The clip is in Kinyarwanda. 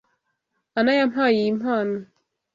Ann yampaye iyi mpano.